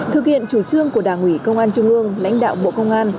thực hiện chủ trương của đảng ủy công an trung ương lãnh đạo bộ công an